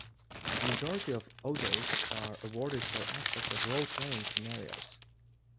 The majority of Ottos are awarded for aspects of role-playing scenarios.